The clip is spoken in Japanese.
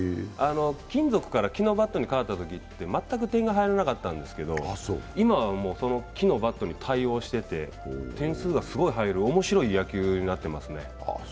金属から木のバットに変わったときって、全く点が入らなかったんですけど今はもうその木のバットに対応してて点数がすごい入る、面白い野球になってますね。